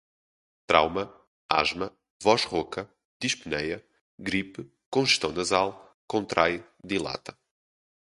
trauma, asma, voz rouca, dispneia, gripe, congestão nasal, contrai, dilata